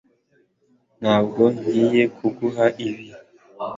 Ntabwo ngiye kuguha ibi